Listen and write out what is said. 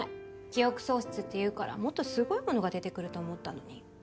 記憶喪失っていうからもっとすごいものが出てくると思ったのに。